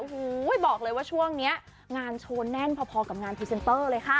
โอ้โหบอกเลยว่าช่วงนี้งานโชว์แน่นพอกับงานพรีเซนเตอร์เลยค่ะ